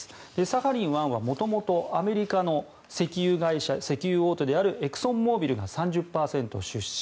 サハリン１はもともとアメリカの石油大手であるエクソンモービルが３０％出資。